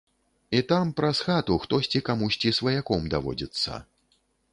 І там праз хату хтосьці камусьці сваяком даводзіцца.